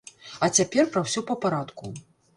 А цяпер пра ўсё па парадку.